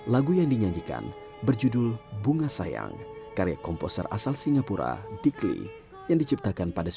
lagu yang dinyanyikan berjudul bunga sayang karya komposer asal singapura dikly yang diciptakan pada seribu sembilan ratus sembilan puluh